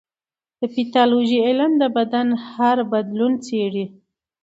د پیتالوژي علم د بدن هر بدلون څېړي.